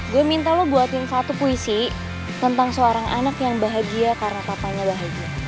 gue minta lo buatin satu puisi tentang seorang anak yang bahagia karena papanya bahagia